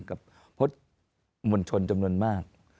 กับพจน์จำนวนมาก